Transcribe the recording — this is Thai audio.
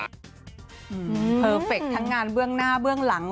เพอร์เฟอร์เฟคทั้งงานเบื้องหน้าเบื้องหลัง